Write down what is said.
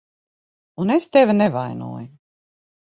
Un es tevi nevainoju.